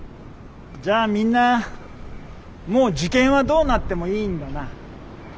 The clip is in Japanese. じゃあみんなもう受験はどうなってもいいんだな。